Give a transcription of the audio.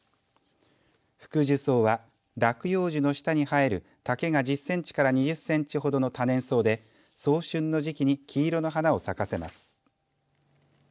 フクジュソウは落葉樹の下に生える丈が１０センチから２０センチほどの多年草で早春の時期に黄色の花を咲かせます。